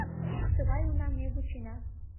Тыгай унам ме вучена.